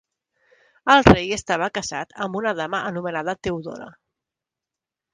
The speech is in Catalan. El rei estava casat amb una dama anomenada Teodora.